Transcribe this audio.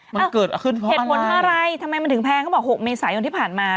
มันเกิดขึ้นเหตุผลอะไรทำไมมันถึงแพงเขาบอก๖เมษายนที่ผ่านมา